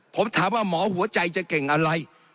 ผมถามว่าหมอหัวใจจะเก่งอะไร